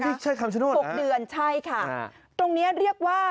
นี่ที่คำชโนธเหรอคะ๖เดือนใช่ค่ะตรงนี้เรียกว่า